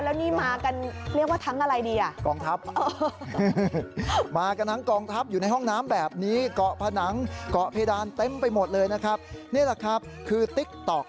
แล้วนี่มากันเรียกว่าทั้งอะไรดี